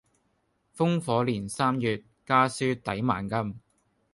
烽火連三月，家書抵萬金